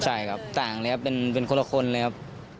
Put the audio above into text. ใช่ครับต่างเลยครับเป็นคนละคนเลยครับ